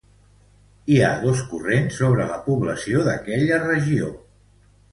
Hi ha dos corrents sobre la població d'aquella regió.